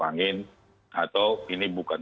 angin atau ini bukan